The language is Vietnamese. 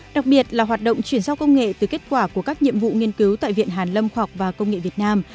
đặc biệt là hoạt động chuyển giao công nghệ từ kết quả của các nhiệm vụ nghiên cứu tại viện hàn lâm khoa học và công nghệ việt nam